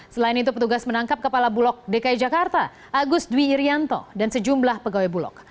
selain itu petugas menangkap kepala bulog dki jakarta agus dwi irianto dan sejumlah pegawai bulog